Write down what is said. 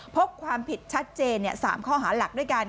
พบความผิดชัดเจน๓ข้อหาหลักด้วยกัน